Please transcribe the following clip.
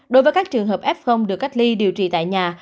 đối với các trường hợp f được cách ly điều trị tại nhà